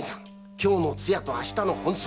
今日の通夜と明日の本葬。